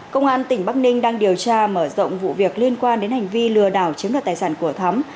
công an tỉnh bắc ninh đang điều tra mở rộng vụ việc liên quan đến hành vi lừa đảo chiếm đoạt tài sản của thắm